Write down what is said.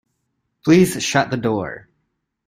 Please shut the door.